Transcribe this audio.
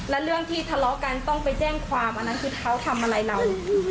และเรื่องที่ทะเลาะกันต้องไปแจ้งความอันนั้นคือเขาทำอะไรเรา